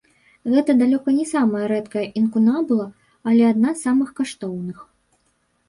Гэта далёка не самая рэдкая інкунабула, але адна з самых каштоўных.